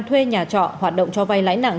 thuê nhà trọ hoạt động cho vay lãi nặng